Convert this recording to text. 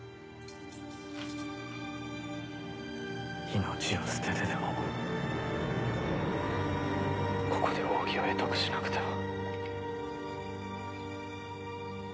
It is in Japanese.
命を捨ててでもここで奥義を会得しなくては。